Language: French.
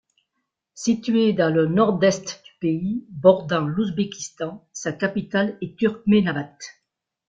Située dans le nord-est du pays, bordant l'Ouzbékistan, sa capitale est Türkmenabat.